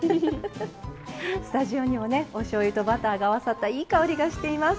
スタジオにはおしょうゆとバターが合わさったいい香りがしています。